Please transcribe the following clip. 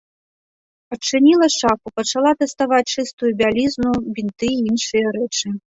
Адчыніла шафу, пачала даставаць чыстую бялізну, бінты і іншыя рэчы.